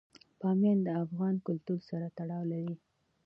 بامیان د افغان کلتور سره تړاو لري.